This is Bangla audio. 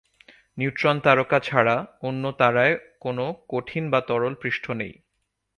নিউট্রন তারকা ছাড়া অন্য তারায় কোনও কঠিন বা তরল পৃষ্ঠ নেই।